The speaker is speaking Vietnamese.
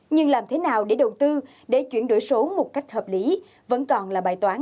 nhưng làm thế nào để đầu tư để chuyển đổi số một cách hợp lý vẫn còn là bài toán